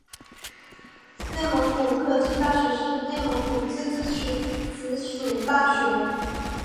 内蒙古科技大学是内蒙古自治区直属大学。